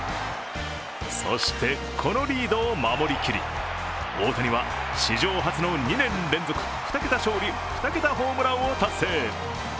そして、このリードを守りきり、大谷は史上初の２年連続２桁勝利、２桁ホームランを達成。